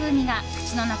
口の中